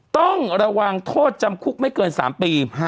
ต้องระวังโทษจำคุกไม่เกิน๓ปี